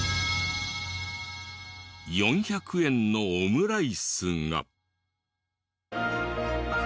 ４００円のオムライスが。